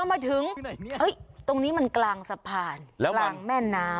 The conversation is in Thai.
มาถึงตรงนี้มันกลางสะพานกลางแม่น้ำ